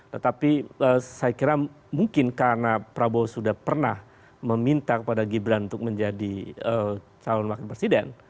tetapi saya kira mungkin karena prabowo sudah pernah meminta kepada gibran untuk menjadi calon wakil presiden